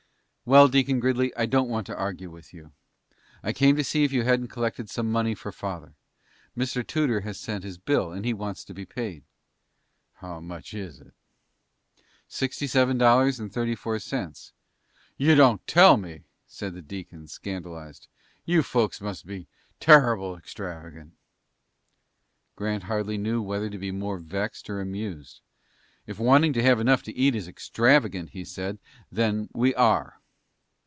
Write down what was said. "Well, Deacon Gridley, I don't want to argue with you. I came to see if you hadn't collected some money for father. Mr. Tudor has sent in his bill, and he wants to be paid." "How much is it?" "Sixty seven dollars and thirty four cents." "You don't tell me!" said the deacon, scandalized. "You folks must be terrible extravagant." Grant hardly knew whether to be more vexed or amused. "If wanting to have enough to eat is extravagant," he said, "then we are."